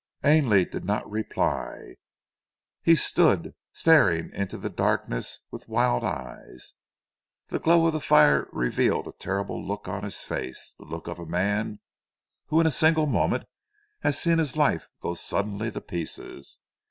Ainley did not reply. He stood staring into the darkness with wild eyes. The glow of the fire revealed a terrible look on his face the look of a man who in a single moment has seen his life go suddenly to pieces.